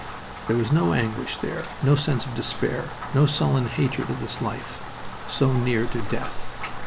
There was no anguish there, no sense of despair, no sullen hatred of this life, so near to death.